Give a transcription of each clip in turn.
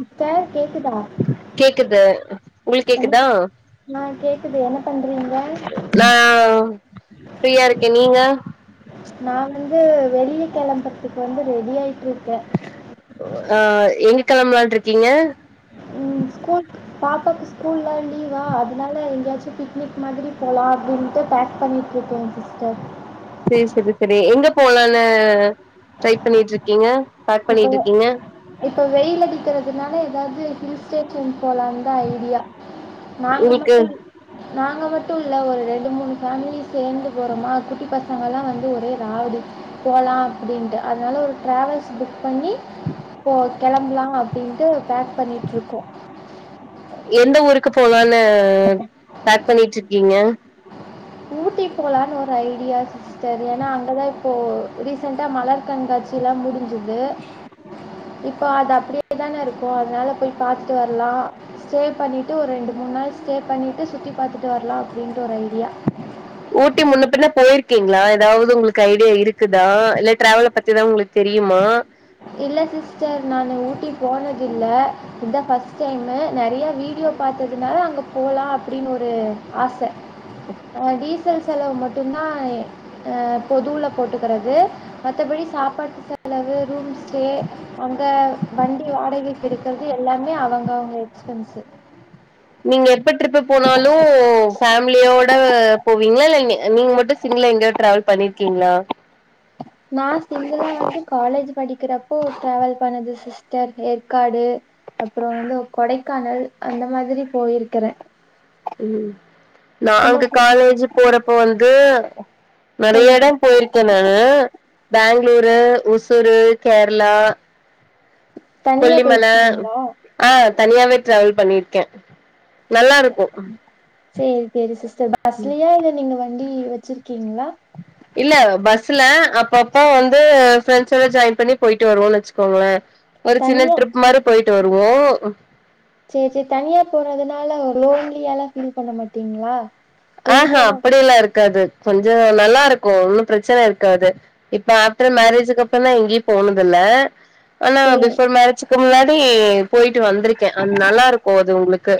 அத்த கேட்குதா கேக்குது உங்களுக்கு கேக்குதா என்ன ஆ கேக்குது என்ன பண்றீங்க ஆ ஃப்ரீயா இருக்கே நீங்க நா வந்து வெளிய கிளம்புறத்துக்கு வந்து ரெடி ஆயிட்டு இருக்கே ஆ எங்க கெளம்லா இருக்கீங்க ம் ஸ்கூல்க் பாப்பாவுக்கு ஸ்கூல்லா லீவா அதனால எங்கயாச்சு பிக்னிக் மாதிரி போலா அப்டின்ட்டு பேக் பண்ணி ட்ருக்கே சிஸ்டர் சேர் செரி செரி எங்க போலானு ட்ரை பண்ணிட்ருக்கீங்க பேக் இப்போ பண்ணிட்ருக்கீங்க இப்ப வெயில் அடிக்கறதுனால ஏதாவது ஹில்ஸ் ஸ்டேஷன் போலாந்தா ஐடியா நாங்க உங்களுக்கு மட்டுல்ல நாங்க மட்டுல்ல ஒரு ரெண்டு மூனு ஃபேமிலி சேர்ந்து போறோமா குட்டி பசங்க எல்லா வந்து ஒரே ராவடி போலா அப்டின்ட்டு அதனால ஒரு டிராவல் புக் பண்ணி போ கெளம்பலா அப்டின்ட்டு பேக் பண்ணிட்ருக்கோ எந்த ஊருக்கு போலான்னு பேக் பண்ணிட்ருக்கீங்க ஊட்டி போலானு ஒரு ஐடியா சிஸ்டர் ஏன்னா அங்கதா இப்போ ரீசெண்ட்டா மலர் கண்காட் சி லா முடிஞ்சது இப்ப அது அப்டியே தான இருக்கு அதனால போய் பாத்துட்டு வரலா ஸ்டே பண்ணிட்டு ஒரு ரெண்டு மூன் நாள் ஸ்டே பண்ணிட்டு சுத்தி பாத்துட்டு வரலா அப்டின்ற ஒரு ஐடியா ஊட்டி முன்ன பின்ன போயிருக்கீங்ளா ஏதாவது உங்ளுக்கு ஐடியா இருக்குதா இல்ல டிராவல பத்திதா உங்களுக்கு தெரியுமா இல்ல சிஸ்டர் நானு ஊட்டி போனதில்ல இதா ஃபர்ஸ்ட் டைமு நேறைய வீடியோ பாத்ததுனால அங்க போலா அப்டின்னு ஒரு ஆச அ டீசல் செலவு மட்டு தா அ பொதுல போட்டுக்கறது மத்தபடி சாப்பாடு செலவு ரூம்ஸ் ஸு அந்த வண்டி வாடகைக்கு எடுக்கறது எல்லாமே அவங்க அவங்க எக்ஸ்பென்ஸு நீங்க எப்ப ட்ரிப் போனாலு ஃபேமிலியோட போவீங்ளா இல்ல நீங்க மட்டு சிங்குளா எங்க ட்ராவல் பண்ணிருக்கீங்ளா நா சிங்கிளாவந்து காலேஜ் படிக்கிறப்போ ட்ராவல் பண்ணது சிஸ்டர் ஏற்காடு அப்றோ வந்து கொடைக்கானல் அந்த மாதிரி போயிருக்கறே ம் நாங்க சொ- காலேஜ் போறப்ப வந்து நெறைய சொல்லுங்க எடம் போயிருக்கே நானு பெங்களூரு ஒசூரு கேரளா தனியா கொல்லிமல போயிருக்கீங்களா ஆ தனியாவே ட்ராவல் பண்ணிருக்கே நல்லா இருக்கு சேரி சேரி சிஸ்டர் பஸ்லியா இல்ல நீங்க வண்டி வச்சிருக்கீங்ளா இல்ல பஸ்ல அப்பப்ப வந்து ஃப்ரெண்ட்ஸோட ஜாயின் பண்ணி போயிட்டு வருவோனு வச்சுக்கோங்களே ஒரு சின்ன தனியா ட்ரிப் மாரி போயிட்டு வருவோ சேர் சேர் தனியா போறதுனால லோன்லியாலா ஃபீல் பண்ண மாட்டீங்ளா ஆ அப்டியல்லா இருக்காது கொஞ்ச நல்லா இருக்கு ஒன்னு பிரச்சன இருக்காது இப்ப ஆஃப்டர் மேரேஜக்கு அப்புற தா எங்கேயு போனது இல்ல ஆனா சே பிஃபோர் மேரேஜ் க்கு முன்னாடி போயிட்டு வந்திருக்கே அது நல்லாருக்கு அது உங்களுக்கு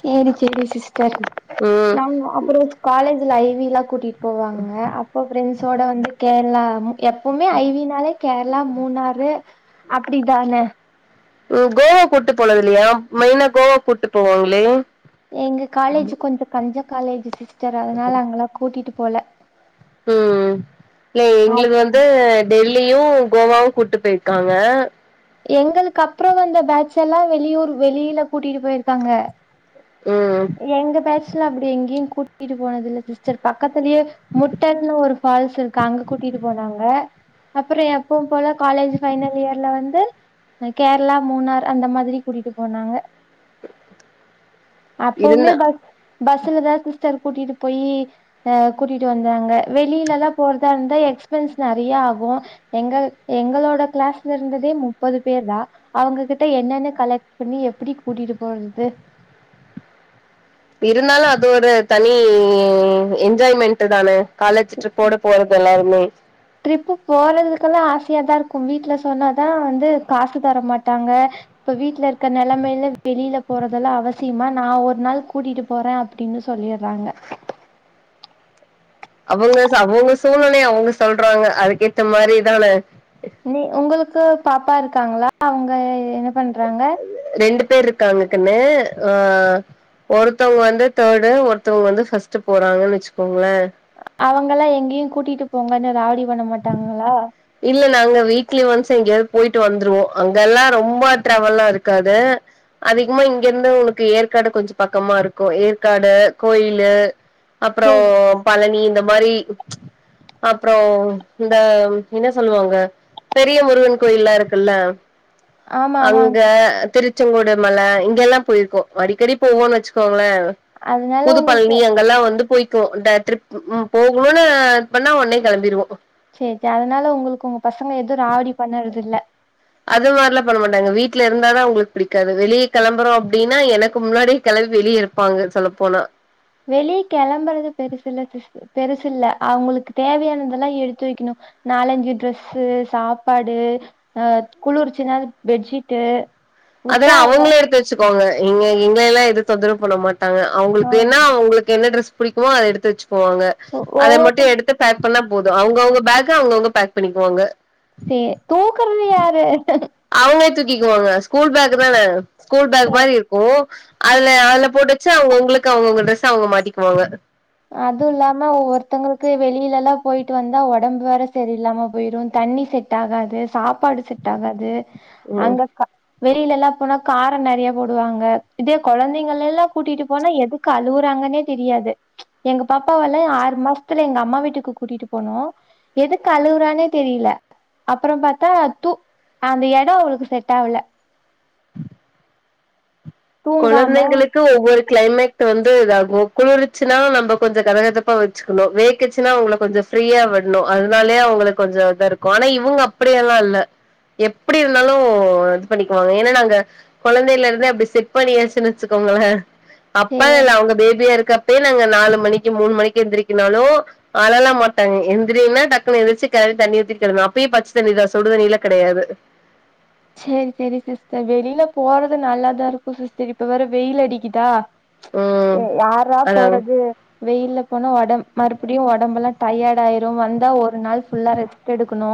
சேரி சேரி சிஸ்டர் ம் நாங்கோ அப்றோ காலேஜ்ல ஐவில்லா கூட்டிட்டு போவாங்க அப்போ ஃப்ரெண்ட்ஸோட வந்து கேரளாமு எப்புமே ஐவினாலே கேரளா மூனாறு அப்டிதான ம் கோவா கூட்டு போனது இல்லயா மெய்னா கோவா கூட்டு போவாங்ளே எங்க காலேஜ் கொஞ்சோ கஞ்ச காலேஜ் சிஸ்டர் அதனால அங்கலா கூட்டிட்டு போல ம் இல்ல அ எங்களுது வந்து டெல்லியு கோவாவு கூட்டு போயிருக்காங்க எங்களுக்கு அப்புறோ வந்த பேட்ச எல்லா வெளியூர் வெளியில கூட்டிட்டு போயிருக்காங்க ம் எங்க பேச்ல அப்டி எங்கியு கூட்டிட்டு போனது இல்ல சிஸ் சேர் பக்கத்துலயே முட்டன்னு ஒரு ஃபால்ஸ் இருக்கு அங்க கூட்டிட்டு போனாங்க அப்புறோ எப்புவு போல காலேஜ் ஃபைனல் இயர்ல வந்து கேரளா மூணார் அந்த மாதிரி கூட்டிட்டு போனாங்க அப்பவுமே இருந்தா பஸ் பஸ்லதா சிஸ்டர் கூட்டிட்டு போயி அ கூட்டிட்டு வந்தாங்க வெளியில எல்லா போறதா இருந்தா எக்ஸ்பென்ஸ் நெறையா ஆகு எங்க எங்களோட கிளாஸ்ல இருந்ததே முப்பது பேர் தா அவங்ககிட்ட என்னென்னு கலெக்ட் பண்ணி எப்பிடி கூட்டிட்டு போறது ப் இருந்தாலு அது ஒரு தனி என்ஜாய்மெண்ட் தான காலேஜ் ட்ரிப்போட போறது எல்லாருமே ட்ரிப்பு போறதுக்கெல்லா ஆசையாதா இருக்கு வீட்ல சொன்னாதா வந்து காசு தரமாட்டாங்க இப்ப வீட்ல இருக்க நெலமையில வெளியில போறதெல்லா அவசியமா நா ஒரு நாள் கூட்டிட்டு போறே அப்டின்னு சொல்லிறாங்க அவங்க ச அவுங்க சூழலே அவுங்க சொல்றாங்க அதுக்கேத்த மாரிதான நீ உங்களுக்கு பாப்பா இருக்காங்களா அவங்க என்ன பண்றாங்க ரெண்டு பேர் இருக்காங்க கண்ணு ஆ ஒருத்தவங்க வந்து தேர்டு ஒருத்தவங்க வந்து ஃபஸ்ட் போறாங்கன்னு வச்சுக்கோங்களே அவங்கல்லா எங்கியு கூட்டிட்டு போங்கன்னு ராவுடி பண்ணமாட்டாங்களா இல்ல நாங்க வீக்லி ஒன்ஸ் எங்கயாவது போயிட்டு வந்துருவோ அங்க எல்லா ரொம்ப டிராவல்லா இருக்காது அதிகமா இங்க இருந்து உனக்கு ஏற்காடு கொஞ்ச பக்கமா இருக்கு ஏற்காடு கோயிலு அப்புறோ சேரி பழனி இந்த மாரி அப்புறோ இந்த என்ன சொல்லுவாங்க பெரிய முருகன் கோயில்லா இருக்குல்ல ஆமா ஆமாங் அங்க திருச் ச்செங்கோடு மல இங்க எல்லா போயிருக்கோ அடிக்கடி போவோ வச்சுக்கோங்களே அதனால புது உங்களுக்கு பழனி அங்கெல்லா வந்து போய்க்கோ ட டிரிப் ம் போகணுன் இது பண்ணா ஒன்னே கெளம்பிடுவோ சே சே அதனால உங்களுக்கு உங்க பசங்க எது ராவடி பண்ணறது இல்ல அது மாரிலா பண்ணமாட்டாங்க வீட்ல இருந்தாத அவுங்களுக்கு பிடிக்காது வெளிய கெளம்புறோ அப்டின்னா எனக்கு முன்னாடிய கெளம்பி வெளிய இருப் ப்பாங்க சொல்ல போனா வெளிய கெளம்புறது பெருசு இல்ல சி பெருசு இல்ல அவங்களுக்கு தேவையானதெல்லா எடுத்து வைக்கணு நாலஞ்சி டிரெஸ் சாப்பாடு அ குளிர்ச்சின்னா அது பெட்ஜிட்டு அதெல்லா அவங்களே எடுத்து வச்சுக்கோங்க இங்க எங்கள எல்லா எதுவு தொந்தரவு பண்ண மாட் ட்டாங்க ஆ அவுங்களுக்கு வேணா அவுங்களுக்கு என்ன டிரஸ் புடிக்குமோ அத எடுத்து வச்சுக்குவாங்க அத ஒவ்வொரு மட்டு எடுத் பேக் பண்ணா போது அவுங்க அவுங்க பேக்க அவுங்க அவுங்க பேக் பண்ணிக்குவாங்க சே தூக்கறது யாரு அவங்களே தூக்கிக்குவாங்க ஸ்கூல் பேக் தான ஸ்கூல் பேக் மாரி இருக் கு அல அல போட்டு வச்சி அவங்க உங்களுக்கு அவுங்க அவுங்க டிரரெஸ் அவுங்க மாட்டிக்குவாங்க அதுவு இல்லாம ஒருத்தங்களுக்கு வெளியில எல்லா போயிட்டு வந்தா ஒடம்பு வேற சரியில்லாம போயிரு தண்ணி செட் செட் ஆகாது சாப்பாடு செட் ஆகாது ம் அங்க வெளியில எல்லா போனா கார நறைய போடுவாங்க இதே கொழந்தைங்க எல்லா கூட்டிட்டு போனா எது க்கு அழுவுறாங்கன்னே தெரியாது எங்க பாப்பாவல்ல ஆறு மாசத்துல எங்க அம்மா வீட்டுக்கு கூட்டிட்டு போனோ எதுக்கு அழுவுறானே தெரில அப்ற பாத்தா தூ அந்த எடோ அவளுக்கு செட் ஆவல தூங்காம கொழந்தைங்களுக்கு ஒவ்வொரு கிளைமேட் வந்து இதாகு குளுருச்சனா நம்ம கொஞ்ச கதகதப்பா ம் வேக்சுன்னா அவங்க கொஞ்ச ஃப்ரீயா விட்ணு அதனாலே அவங்களுக்கு கொஞ்ச தா இருக்கு ஆனா இவங்க அப் அப்டியெல்லா இல்ல எப்டி இருந்தாலு இது பண்ணிக்குவாங்க ஏன்னா நாங்க கொழந்தை இருந்தே அப்டி செட் அப்ப நீயசுனு வச்சுக்கோங்களே சே அப்ப இல்ல அவங்க பேபியா இருக்க இப்ப நாங்க நாலு மணிக்கு மூணு மணிக்கு எந்திரிக்கனாலு அழெல்லா மாட்டாங்க எந்திரின்னா டக்குன்னு எந்ரிச்சு கள தண்ணி ஊத்திட் கிளம் அப்பயே பச்ச தண்ணி தா சுடு தண்ணில கெடையாது சேரி சேரி சிஸ்டர் வெளியில போறது நல்லாதா இருக்கு சிஸ்டர் இப்ப வேற வெயில் அடிக்குதா ம் யார்ரா அதாங்க போறது வெயில்ல போனா ஒடம் மறுபடியு ஒடம்பெல்லா டயர்ட் ஆயிரு வந்தா ஒரு நாள் ஃபுல்லா ரெஸ்ட் எடுக்கணு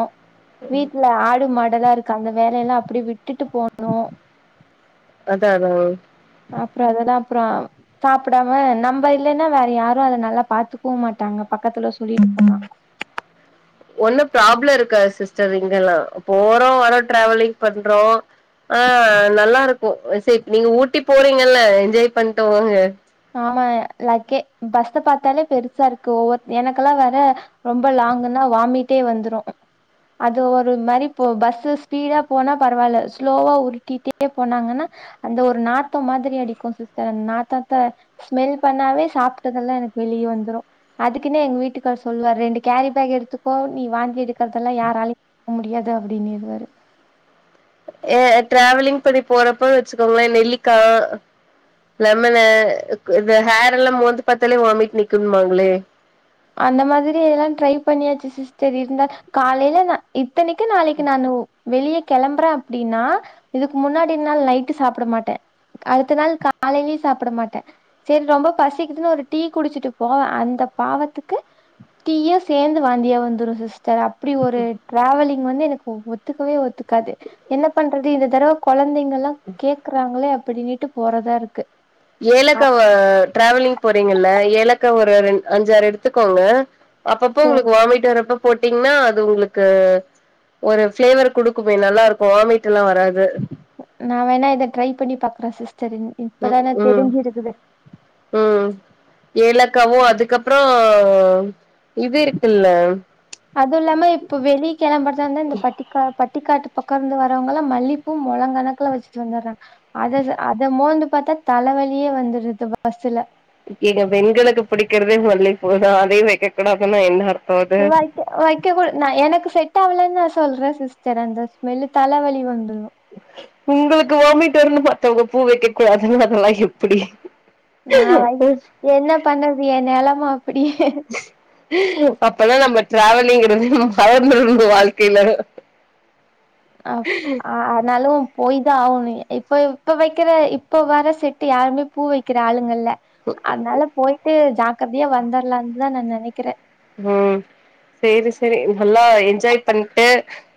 வீட்ல ஆடு மாடல்லா இருக்கு அந்த வே எல்லா அப்டே விட்டுட்டு போனு அதா அதா அப்ற அதெல்லா அப்ற சாப்டாம நம்ம இல்லன்னா வேற யாரு அத நல்லா பாத்துக்கவு மாட்டாங்க பக்கத்துல சொல்லிட்டு போனா ஒண்ணு ப்ராப்ளோ இருக்காது சிஸ்டர் இங்கெல்லா போறோ வரோ ட்ராவலிங் பண்றோ ஆ நல்லா இருக்கு சே நீங்க ஊட்டி போறீங்கல்ல என்ஜாய் பண்ட்டு வாங்க ஆமா லக்கே பஸ்ஸ பாத்தாலே பெருசா இருக்கு ஒவ்வொ எனக்கெல்லா வேற ரொம்ப லாங்க்ன்னா வாமிட்டே வந்துரு அது ஒரு மாரி போ பஸ் ஸ்பீடா போனா பரவால்ல ஸ்லோவா உருட்டிட்டே போனாங்கன்னா அந்த ஒரு நாத்தம் மாதிரி அடிக்கு சிஸ்டர் அந்த நாத்த ஸ்மெல் பண்ணாவே சாப்ட்டதெல்லா எனக்கு வெளிய வந்துரு அதுக்குனே எங்க வீட்டுக்கார் சொல்லுவரு ரெண்டு கேரி பேக் எடுத்துக்கோ நீ வாந்தி எடுக்றதெல்லா யாரால போ முடியாது அப்டினிர்வாரு ஏ ட்ராவலிங் பண்ணி போறப்ப வச்சுக்கோங்களே நெல்லிக்கா லெமனு இந்த ஹேர் எல்லா மோந்து பத்தாலே வாமிட் நிக்கும்பாங்ளே அந்த மாதிரி எல்லா ட்ரை பண்ணியாச்சு சிஸ்டர் இருந்தா காலைய்ல ந இத்தனைக்கு நாளைக்கு நானு வெளிய கிளம்புறே அப்டின்னா இதுக்கு முன்னாடி நாள் நைட்டு சாப்ட மாட்ட அடுத்த நாள் காலையிலயு சாப்ட மாட்ட சரி ரொம்ப பசிக்குதுன்னு ஒரு டீ குடிச்சிட்டு போவ அந்த பாவத்துக் டீயெ சேந்து வாந்தியா வந்துரு சிஸ்டர் அப்டி ஒரு ட்ராவலிங் வந்து எனக்கு ஒத்துக்கவே ஒத்துக்காது என்ன பண்றது இந்த தடவ கொழந்தைங் கெல்லா கேக்குறாங்களே அப்டின்னுட்டு போறதா இருக்கு அப் ஏலக்காவ ட்ராவலிங் போறீங்கல்ல ஏலக்கா ஒரு ரெ அஞ்சாறு எடுத்துக்கோங்க அப்பப்போ சேர் உங்களுக்கு வாமிட் வரப்ப போட்டீங்ன்னா அது உங்களுக்கு ஒரு ஃப்ளேவர் குடுக்குமே நல்லா இருக்கு வாமிட் எல்லா வராது நா வேணா இத ட்ரை பண்ணி பாக்ற சிஸ்டரின் ம் ம் ம் ஏழக்காவு அதுக்கப்றோ இது இருக்கில்ல அது இல்லாம இப்ப வெளிய கெளம்பர்தா இருந்தா இந்த பட்டிக்கா பட்டிக்காட்டு பக்கோ இர்ந்து வரவங்கல்லா மல்லிப் இப்ப மொழங் கணக்குல வச்சிட்டு வந்தற்றாங்க அத தா அத மோந்து பாத்தா தல வலியே வந்துருது பஸ்ல ஏங்க பெண்களுக்கு புடிக்கிறதே மல்லிப்பூதா அதையு வெக்கக் கூடாதுன்னா என்னங்க அர்த்தோ அதான வைக்க வைக்க கூடா நா எனக்கு செட் ஆவலன் நா சொல்ற சிஸ்டர் அந்த ஸ்மெல்லு தலவலி வந்துரு உங்களுக்கு வாமிட் வர்னு மத்தவங்க பூ வைக்க கூடாதுன்னு அதெல்லா எப்புடி நா வ என்ன பண்றது எ நெலம அப்டி அப்ப தா நம்ம ட்ராவலிங்க மறந்தருனு உங்க வாழ்க்கைய்ல அப் ஆ ஆனாலு போய் தா ஆவனு இப்ப இப்ப வெக்கிற இப்ப வர செட்டு யாருமே பூ வைக்கிற ஆளுங்க இல்ல அதனால போய்ட்டு ஜாக்ரதையா வந்தர்லான்தா நா நெனைக்கறே ம் சேரி சேரி இப்ப எல்லா என்ஜாய் பண்ட்டு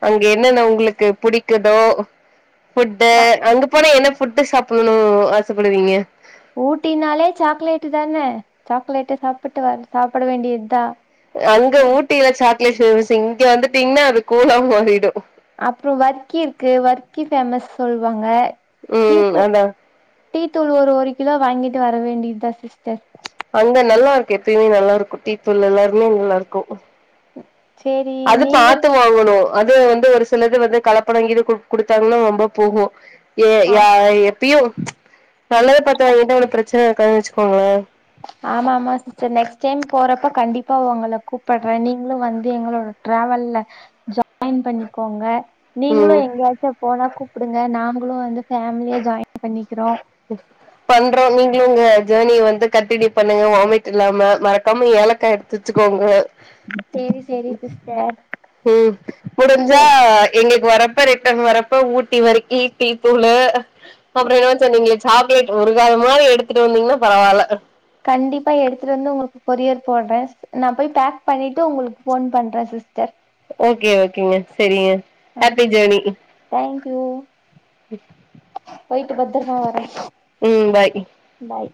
அங்க என்னன்ன உங்களுக்கு புடிக்குதோ ஃபுட்டு நா அங்க போனா என்ன ஃபுட்டு சாப்படனு ஆசப் படுவீங்க ஊட்டினாலே சாக்லேட்டு் தான சாக்கலேட்ட சாப்புட்டு வர சாப்பட வேண்டியத்தா அங்க ஊட்டில சாக்லேட்டு இங்க வந்துட்டீங்னா அது கூழா மாறிடு அப்புறோ வர்க்கி இருக்கு வர்க்கி ஃபேமஸ் சொல்வாங்க டீ ம் தூ அதா டீ தூள் ஒரு ஒரு கிலோ வாங்கிட்டு வர வேண்டியத்தா சிஸ்டர் அங்க நல்லாருக்கு எப்பயுமே நல்லாருக்கு டீத்தூள் எல்லாருமே நல்லா இருக்கு ம் அது பாத்து வாங்கணு அது வந்து ஒரு சிலது வந்து கலப்படங்கீது குடு குடுத்தாங்கனா ரொம்ப போகு ஏ ஆ யா எப்பியு நல்லத பத்தாங்க ஏட்ட அவ்ளோ பிரச்சன இருக்காதுன் வச்சுக் கோங்களே ஆமா ஆமா சிஸ்டர் நெக்ஸ்ட் டைம் போறப்ப கண்டிப்பா உங்கள கூப்பட்ற நீங்களு வந்து எங்களோட ட்ராவல்ல ஜாயின் பண்ணிக்கோங்க நீங்களு ம் எங்கயாச்சு போனா கூப்புடுங்க நாங்களு வந்து ஃபேமிலியா ஜாய்ன் பண்ணிக்கிறோ ம் பண்றோ நீங்களு ஒங்க ஜேர்னிய வந்து கண்டினியூ பண்ணுங்க வாமிட் இல்லாம மறக்காம ஏலக்கா எடு தச்சுக் கோங்க சேரி சேரி சிஸ்டர் ம் முடிஞ்சா சேரி எங்களுக்கு வரப்ப ரிட்டன் வரப்ப ஊட்டி வரிக்கி டீ தூளு அப்றோ என்ன நீங்க சாக்லேட் உருகாத மாரி எடுத்துட்டு வந்தீங்னா பரவால்ல கண்டிப்பா எடுத்துட்டு வந்து உங்ளுக்கு கொரியர் போட்றே நா போய் பேக் பண்ணிட்டு உங்களுக்கு ஃபோன் பண்ற சிஸ்டர் ஓகே ஓகேங்க செரிங்க ஹாப்பி ஜேர்னி தேங்யூ போய்ட்டு பத்ரமா வர ம் பாய் பாய்